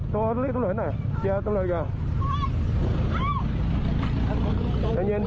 เจอตัวเลิศกัน